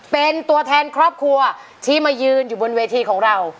เป็นตัวแทนครอบครัวที่มายืนอยู่บนเวทีของเรา